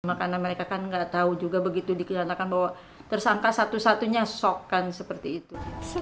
karena mereka kan nggak tahu juga begitu dikenakan bahwa tersangka satu satunya sok kan seperti itu